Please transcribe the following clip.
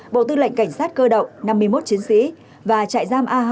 bộ tư lệnh cảnh sát cơ động năm mươi một chiến sĩ và trại giam a hai